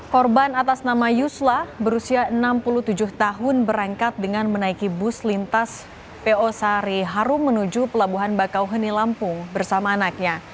korban atas nama yusla berusia enam puluh tujuh tahun berangkat dengan menaiki bus lintas po sari harum menuju pelabuhan bakauheni lampung bersama anaknya